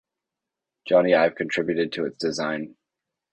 Jony Ive contributed to its design.